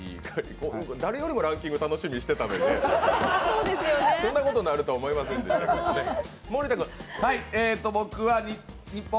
誰よりもランキング楽しみにしてたのにね、そんなことになると思いませんでしたけどね。